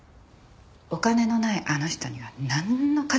お金のないあの人にはなんの価値もない。